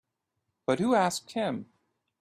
But who asked him?